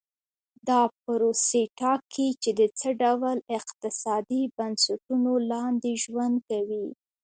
دا پروسې ټاکي چې د څه ډول اقتصادي بنسټونو لاندې ژوند کوي.